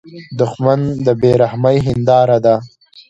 دښمن د بې رحمۍ هینداره ده